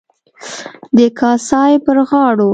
د کاسای پر غاړو.